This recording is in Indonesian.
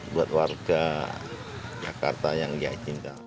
buat warga jakarta yang dia cinta